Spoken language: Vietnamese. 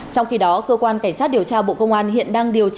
trong khi đó cơ quan cảnh sát điều tra bộ công an hiện đang điều tra